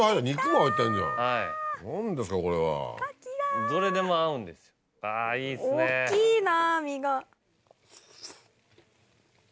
おっきいな身が。